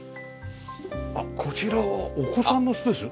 あっこちらはお子さんのスペース？